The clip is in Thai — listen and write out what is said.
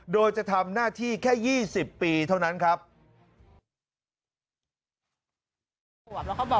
โดยจะทำหน้าที่แค่๒๐ปีเท่านั้นครับ